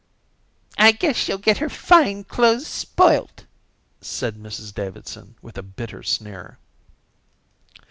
"I guess she'll get her fine clothes spoilt," said Mrs Davidson with a bitter sneer.